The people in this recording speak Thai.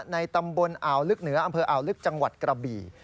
ในตำบลอ่าวลึกเหนืออำเภออ่าวลึกจังหวัดกระบี่